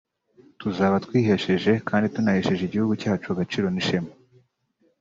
tuzaba twihesheje kandi tunahesheje igihugu cyacu agaciro n’ishema